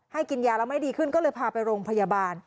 กินยาแล้วไม่ดีขึ้นก็เลยพาไปโรงพยาบาล